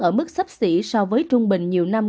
ở mức sấp xỉ so với trung bình nhiều năm